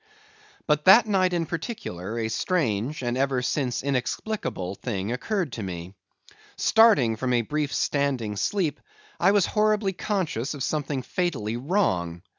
But that night, in particular, a strange (and ever since inexplicable) thing occurred to me. Starting from a brief standing sleep, I was horribly conscious of something fatally wrong.